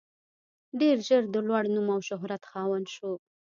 ډېر ژر د لوړ نوم او شهرت خاوند شو.